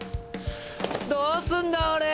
どうすんだオレ！